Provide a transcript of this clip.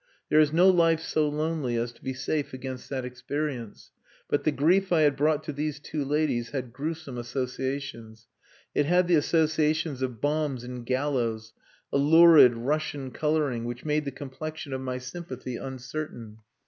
There is no life so lonely as to be safe against that experience. But the grief I had brought to these two ladies had gruesome associations. It had the associations of bombs and gallows a lurid, Russian colouring which made the complexion of my sympathy uncertain.